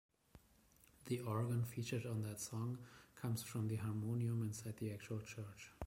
The organ featured on that song comes from the harmonium inside the actual church.